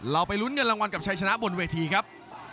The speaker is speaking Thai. ไปลุ้นเงินรางวัลกับชัยชนะบนเวทีครับ